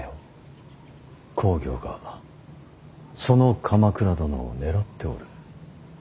公暁がその鎌倉殿を狙っておる。